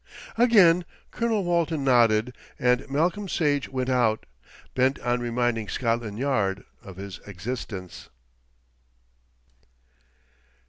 Again Colonel Walton nodded, and Malcolm Sage went out, bent on reminding Scotland Yard of his existence.